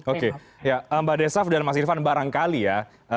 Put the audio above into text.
oke ya mbak desaf dan mas irfan barangkali ya